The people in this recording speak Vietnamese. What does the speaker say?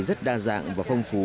rất đa dạng và phong phú